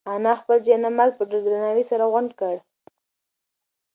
انا خپل جاینماز په ډېر درناوي سره غونډ کړ.